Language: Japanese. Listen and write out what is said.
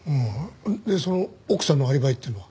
でその奥さんのアリバイっていうのは？